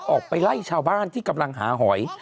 ออกไปไล่ชาวบ้านที่กำลังหาหอย